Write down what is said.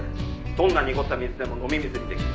「どんな濁った水でも飲み水にできる」